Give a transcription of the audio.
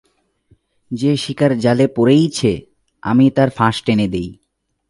যে-শিকার জালে পড়েইছে আমি তার ফাঁস টেনে দিই।